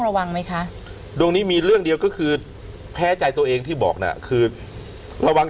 ระวังไหมคะดวงนี้มีเรื่องเดียวก็คือแพ้ใจตัวเองที่บอกน่ะคือระวัง